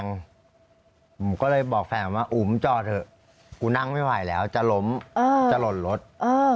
ผมก็เลยบอกแฟนว่าอุ๋มจอดเถอะกูนั่งไม่ไหวแล้วจะล้มจะหล่นรถ